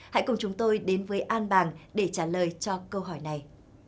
hãy cùng chúng tôi đến với an bàng để trả lời cho câu hỏi này